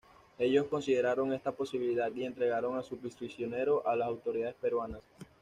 Ellos consideraron esta posibilidad y entregaron a su prisionero a las autoridades peruanas.